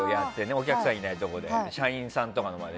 お客さんがいないところで社員さんとかの前で。